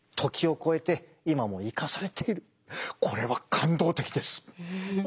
これは感動的です！